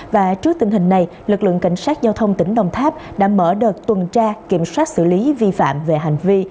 và trước tình hình này lực lượng cảnh sát giao thông tỉnh đồng tháp đã mở đợt tuần tra kiểm soát xử lý vi phạm về hành vi